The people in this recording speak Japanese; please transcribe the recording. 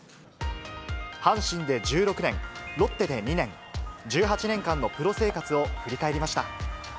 阪神で１６年、ロッテで２年、１８年間のプロ生活を振り返りました。